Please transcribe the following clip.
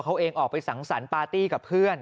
เขาเองออกไปสังสรรค์ปาร์ตี้กับเพื่อน